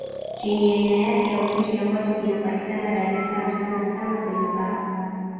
Chenye aina yake ya upishi ambacho kinapatikana Dar es salaam sana sana kwenye baa